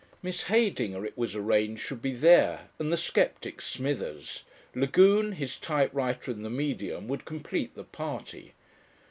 Miss Heydinger it was arranged should be there, and the sceptic Smithers, Lagune, his typewriter and the medium would complete the party.